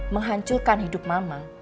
menghancurkan hidup mama